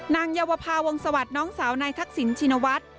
เยาวภาวงศวรรคน้องสาวนายทักษิณชินวัฒน์